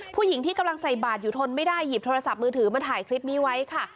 ผู้หญิงที่กำลังใส่บาทอยู่ทนไม่ได้หยิบโทรศัพท์มือถือมาถ่ายคลิปนี้ไว้ค่ะ